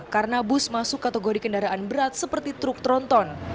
karena bus masuk kategori kendaraan berat seperti truk tronton